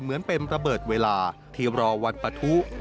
เหมือนเป็นระเบิดเวลาที่รอวันปะทุ